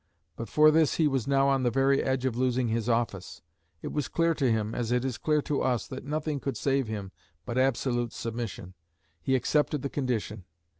But for this he was now on the very edge of losing his office; it was clear to him, as it is clear to us, that nothing could save him but absolute submission. He accepted the condition.